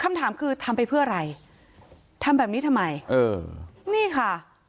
คำถามคือทำไปเพื่ออะไรทำแบบนี้ทำไมเออนี่ค่ะ